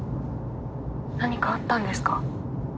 何かあったんですか？